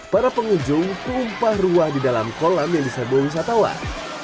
para pengunjung tumpah ruah di dalam kolam yang diserbu wisatawan